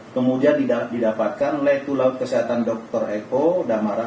kemudian didapatkan oleh tulaut kesehatan dr eko damara